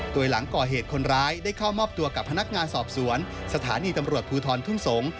โดยหลังก่อเหตุคนร้ายได้เข้ามอบตัวกับพนักงานสอบสวนสถานีตำรวจภูทรทุ่งสงศ์